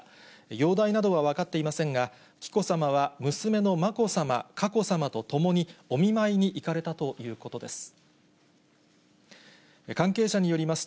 容体などは分かっていませんが、紀子さまは娘のまこさま、佳子さまと共にお見舞いに行かれたということです。